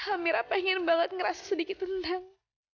amirah pengen banget ngerasa sedikit rendang